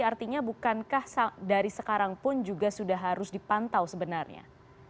artinya bukankah dari sekarang pun juga sudah harus dipantau sebenarnya